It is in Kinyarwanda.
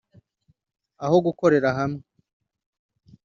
aho gukorera hamwe